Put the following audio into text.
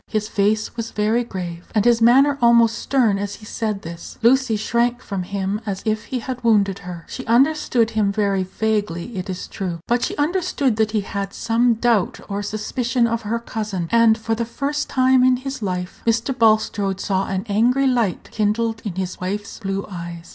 His face was very grave, and his manner almost stern as he said this. Lucy shrank from him as if he had wounded her. She understood him very vaguely, it is true, but she understood that he had some doubt or suspicion of her cousin, and, for the first time in his life, Mr. Bulstrode saw an angry light kindled in his wife's blue eyes.